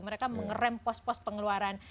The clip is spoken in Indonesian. mereka mengerem pos pos pengeluaran